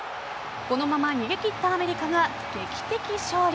このまま逃げ切ったアメリカが劇的勝利。